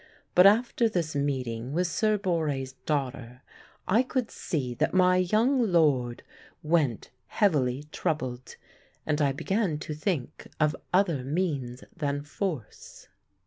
But after this meeting with Sir Borre's daughter, I could see that my young lord went heavily troubled; and I began to think of other means than force.